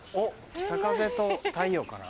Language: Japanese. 『北風と太陽』かな？